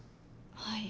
はい。